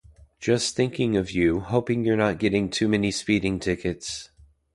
Just thinking of you, hoping you're not getting too many speeding tickets